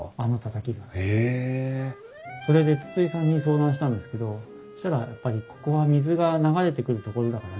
それで筒井さんに相談したんですけどそしたらやっぱり水が流れてくる？